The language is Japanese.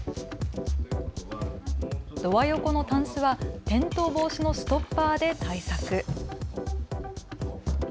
ドア横のたんすは転倒防止のストッパーで対策。